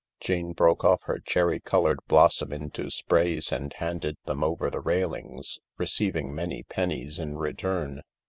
Jane broke off her cherry coloured blossom into sprays and handed them over the railings, receiving many pennies in return.